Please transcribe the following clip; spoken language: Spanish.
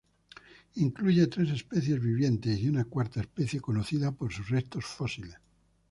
Incluye tres especies vivientes y una cuarta especie conocida por sus restos fósiles.